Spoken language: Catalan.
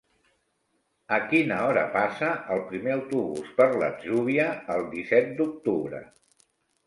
A quina hora passa el primer autobús per l'Atzúbia el disset d'octubre?